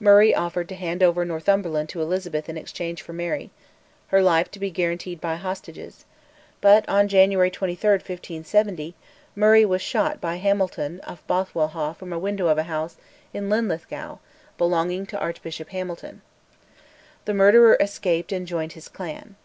Murray offered to hand over Northumberland to Elizabeth in exchange for Mary, her life to be guaranteed by hostages, but, on January 23, 1570, Murray was shot by Hamilton of Bothwellhaugh from a window of a house in Linlithgow belonging to Archbishop Hamilton. The murderer escaped and joined his clan.